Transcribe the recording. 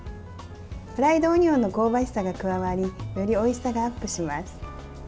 フライドオニオンの香ばしさが加わりよりおいしさがアップします。